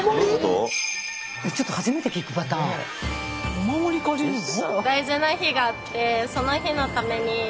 お守り借りるの？